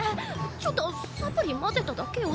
ちょっとサプリ混ぜただけよ。